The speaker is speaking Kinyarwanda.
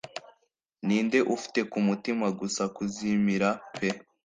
Ninde ufite kumutima gusa kuzimira pe